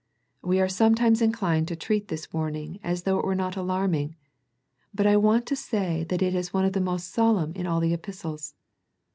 We are sometimes inclined to treat this warning as though it were not alarming, but I want to say that it is one of the most solemn in all these epistles.